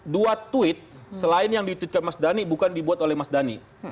dua tweet selain yang di tweet mas dhani bukan dibuat oleh mas dhani